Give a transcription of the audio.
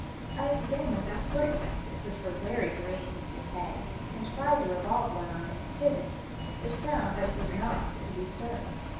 I examined the swivels which were very green with decay, and tried to revolve one on its pivot, but found that it was not to be stirred.